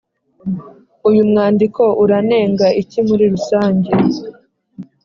Uyu mwandiko uranenga iki muri rusange?